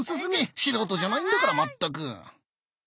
素人じゃないんだからまったく。